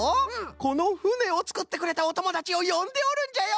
このふねをつくってくれたおともだちをよんでおるんじゃよ！